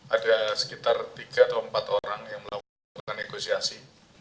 ada sekitar tiga atau empat orang yang melakukan negosiasi